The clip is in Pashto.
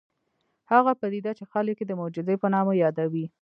هغه پدیده چې خلک یې د معجزې په نامه یادوي